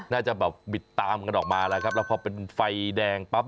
น่าจะแบบบิดตามกันออกมาแล้วครับแล้วพอเป็นไฟแดงปั๊บ